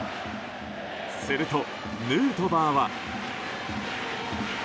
すると、ヌートバーは。